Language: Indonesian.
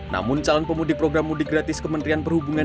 namun calon pemudik program mudik gratis kementerian perhubungan